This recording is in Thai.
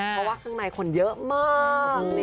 เพราะว่าข้างในคนเยอะมาก